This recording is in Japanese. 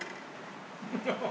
ハハハハハ！